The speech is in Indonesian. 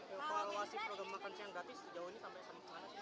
evaluasi program makan siang gratis di jawa ini sampai sama mana sih